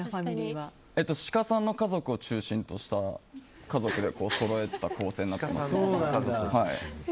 シカさんの家族を中心とした家族でそろえてた構成になってます。